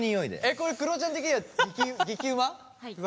これくろちゃん的には激うま？